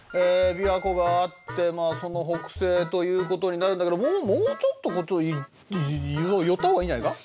琵琶湖があってその北西ということになるんだけどもうちょっとこっちに寄ったほうがいいんじゃないか？